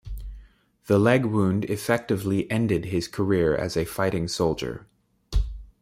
The leg wound effectively ended his career as a fighting soldier.